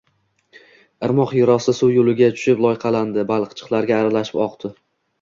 Irmoq yerosti suv yoʻliga tushib, loyqalandi, balchiqlarga aralashib oqdi